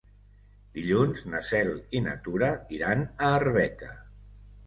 Dilluns na Cel i na Tura iran a Arbeca.